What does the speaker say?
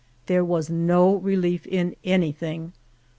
There was no relief in anything.